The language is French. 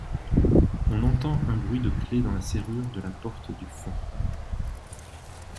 On entend un bruit de clef dans la serrure de la porte du fond.